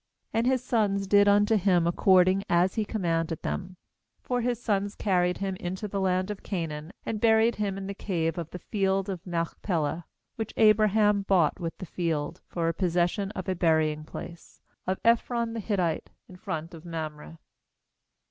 12And his sons did unto him according as he commanded them. 13For his sons carried him into the land of Canaan, and buried him in the cave of the field of Machpelah, which Abraham bought with the field, for a possession of a burying place, of Ephron the Hittite, in front of Mamre.